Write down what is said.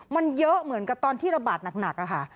มันเยอะเหมือนกับตอนที่ระบาดหนักค่ะ